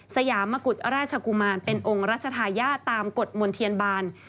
สยามกุฎราชกุมารเป็นองค์รัชธาญาติตามกฎมลเทียนบาน